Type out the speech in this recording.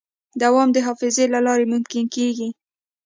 دوام د حافظې له لارې ممکن کېږي.